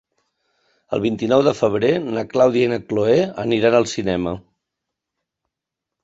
El vint-i-nou de febrer na Clàudia i na Cloè aniran al cinema.